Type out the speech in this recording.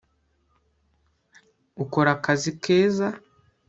ukora akazi keza